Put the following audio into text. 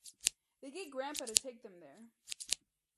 They get Grampa to take them there.